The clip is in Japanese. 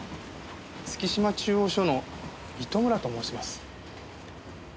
月島中央署の糸村と申します。